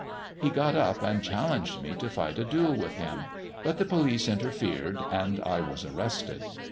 He got up and challenged me to fight a duel with him, but the police interfered, and I was arrested.